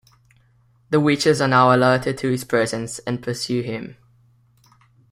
The witches are now alerted to his presence and pursue him.